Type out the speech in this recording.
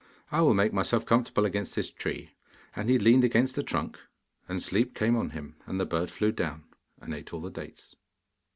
'I will make myself comfortable against this tree,' and he leaned against the trunk, and sleep came on him, and the bird flew down and ate all the dates.